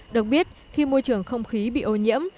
được biết khi môi trường không khí bị ô nhiễm